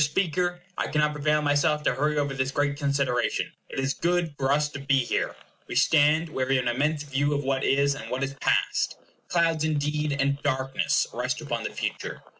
Speaker, I cannot prevail on myself to hurry over this great consideration. IT IS GOOD FOR US TO BE HERE. We stand where we have an immense view of what is, and what is past. Clouds, indeed, and darkness, rest upon the future.